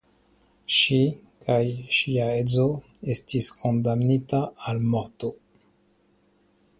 Ŝi kaj ŝia edzo estis kondamnita al morto.